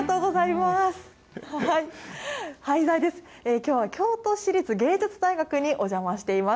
きょうは京都市立芸術大学にお邪魔しています。